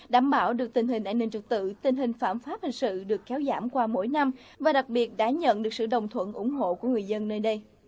đảm bảo được tình hình an ninh trật tự tình hình phạm pháp hình sự được kéo giảm qua mỗi năm và đặc biệt đã nhận được sự đồng thuận ủng hộ của người dân nơi đây